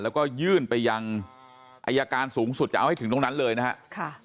แล้วก็ยื่นไปยังอายการสูงสุดจะเอาให้ถึงตรงนั้นเลยนะครับ